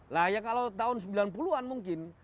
lah ya kalau tahun sembilan puluh an mungkin